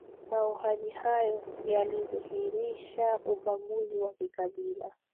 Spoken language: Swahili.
mauaji hayo yalidhihirisha ubaguzi wa kikabila